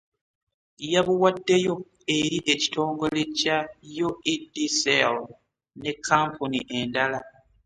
Yabuwaddeyo eri ekitongole kya UEDCL ne kkampuni endala